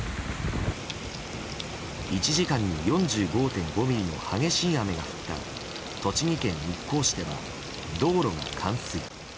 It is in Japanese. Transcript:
１時間に４５．５ミリの激しい雨が降った栃木県日光市では道路が冠水。